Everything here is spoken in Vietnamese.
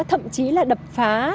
thậm chí là đập phá